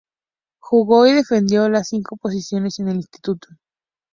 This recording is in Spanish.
Jugó y defendió las cinco posiciones en el instituto.